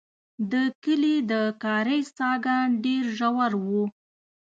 د کلي د کاریز څاګان ډېر ژور وو.